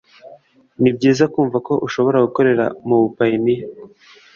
Nibyiza kumva ko ushobora gukorera mubuyapani